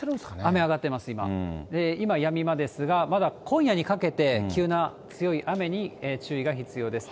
雨上がってます、今、やみ間ですが、まだ今夜にかけて急な強い雨に注意が必要です。